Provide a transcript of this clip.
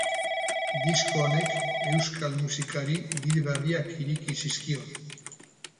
Disko honek euskal musikari bide berriak ireki zizkion.